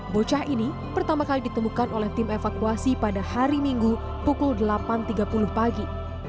bocah ini pertama kali ditemukan oleh tim evakuasi pada hari minggu pukul delapan tiga puluh pagi